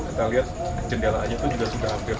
kita lihat jendela aja itu juga sudah hampir